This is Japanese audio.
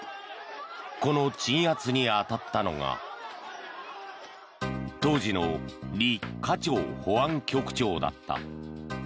この鎮圧に当たったのが当時のリ・カチョウ保安局長だった。